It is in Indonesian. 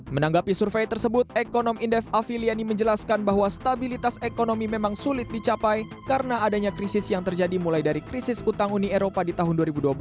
menanggapi survei tersebut ekonom indef afiliani menjelaskan bahwa stabilitas ekonomi memang sulit dicapai karena adanya krisis yang terjadi mulai dari krisis utang uni eropa di tahun dua ribu dua belas